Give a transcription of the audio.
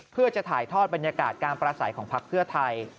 เพื่อจะถ่ายทอดบรรยากาศการประสัยของพักเพื่อไทย